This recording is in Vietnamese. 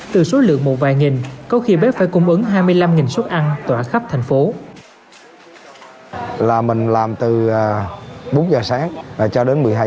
từ số lượng một vài nghìn có khi bếp phải cung ứng hai mươi năm suất ăn tỏa khắp thành phố